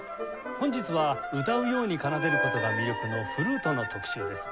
本日は歌うように奏でる事が魅力のフルートの特集です。